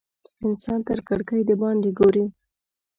انسان تر کړکۍ د باندې ګوري.